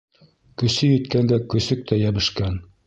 Көсө еткәнгә көсөк тә йәбешкән.